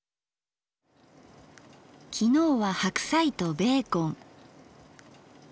昨日は白菜とベーコン。